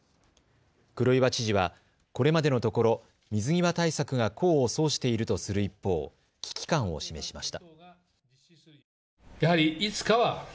黒岩知事はこれまでのところ水際対策が功を奏しているとする一方、危機感を示しました。